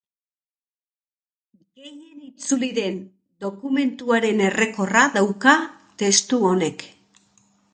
Gehien itzuli den dokumentuaren errekorra dauka testu honek.